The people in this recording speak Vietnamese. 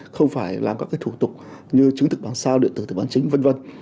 không phải làm các thủ tục như chứng thực bằng sao điện tử thủ tục bản chính v v